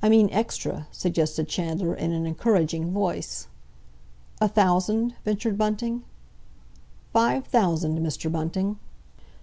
"I mean extra," suggested Chandler, in an encouraging voice. "A thousand?" ventured Bunting. "Five thousand, Mr. Bunting."